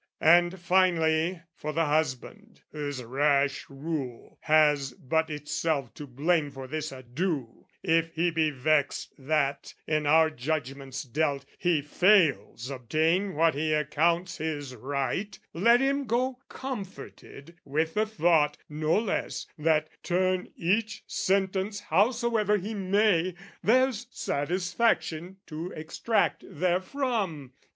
"And finally for the husband, whose rash rule "Has but itself to blame for this ado, "If he be vexed that, in our judgments dealt, "He fails obtain what he accounts his right, "Let him go comforted with the thought, no less, "That, turn each sentence howsoever he may, "There's satisfaction to extract therefrom.